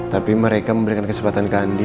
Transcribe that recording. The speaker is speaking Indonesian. tapi mereka memberikan kesempatan ke andi